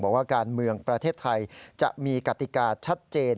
บอกว่าการเมืองประเทศไทยจะมีกติกาชัดเจน